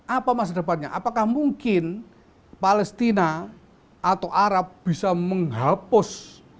apa masa depannya apakah mungkin palestina atau arab bisa menghapus